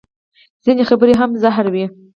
ځینې خبرې هم زهر وي